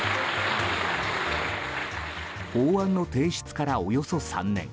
法案の提出から、およそ３年。